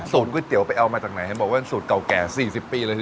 สูตรก๋วยเตี๋ยวไปเอามาจากไหนให้บอกว่าสูตรเก่าแก่๔๐ปีเลยทีเดียว